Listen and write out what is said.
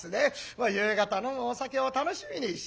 まあ夕方飲むお酒を楽しみにしている。